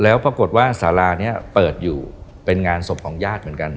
แล้วปรากฏว่าสารานี้เปิดอยู่เป็นงานศพของญาติเหมือนกัน